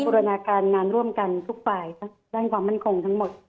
รณาการงานร่วมกันทุกฝ่ายด้านความมั่นคงทั้งหมด